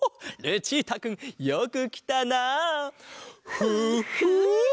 ルチータくんよくきたな。フッフ！